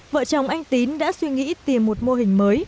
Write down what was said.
vợ chồng anh tín đã suy nghĩ tìm một mô hình mới